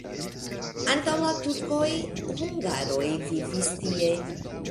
Antaŭ la turkoj hungaroj vivis tie.